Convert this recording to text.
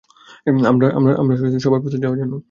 আমরা সবাই প্রস্তুত যাওয়ার জন্য।